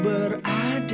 aku tak tahu